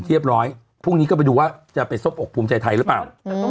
เรียบร้อยพรุ่งนี้ก็ไปดูว่าจะไปซบอกภูมิใจไทยหรือเปล่า